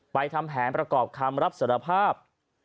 ทำแผนประกอบคำรับสารภาพ